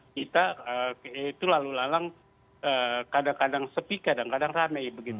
kita itu lalu lalang kadang kadang sepi kadang kadang rame